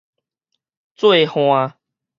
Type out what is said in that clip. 做旱